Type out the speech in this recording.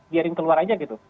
biarin keluar aja gitu